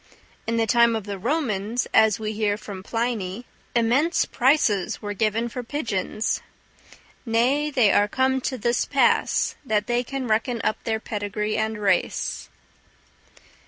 In the time of the Romans, as we hear from Pliny, immense prices were given for pigeons; "nay, they are come to this pass, that they can reckon up their pedigree and race."